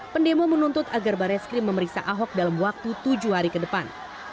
pendemo menuntut agar bareskrim memeriksa ahok dalam waktu tujuh hari ke depan